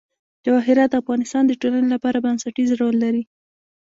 جواهرات د افغانستان د ټولنې لپاره بنسټيز رول لري.